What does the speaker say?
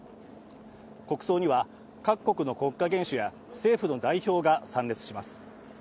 国葬には各国の国家元首や政府の代表が参列します。